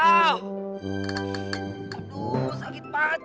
aduh sakit banget